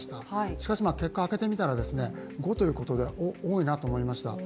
しかし結果、開けてみたら５ということで多いなと思いました。